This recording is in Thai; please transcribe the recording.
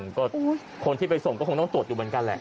ก็คนที่ไปส่งก็คงต้องตรวจอยู่เหมือนกันแหละ